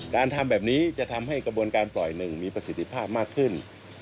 การทำแบบนี้จะทำให้กระบวนการปล่อยหนึ่งมีประสิทธิภาพมากขึ้น